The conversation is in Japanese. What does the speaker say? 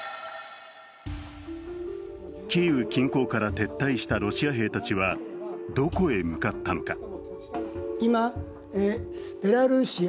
キーウ近郊から撤退したロシア兵たちはどこへ向かったのか。